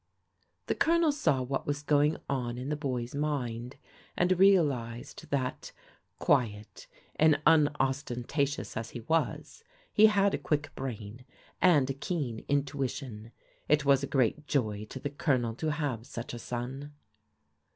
" The Colonel saw what was going on in the boy's mind, and realized that, quiet and unostentatious as he was, he had a quick brain, and a keen intuition. It was a great joy to the Colonel to have such a son.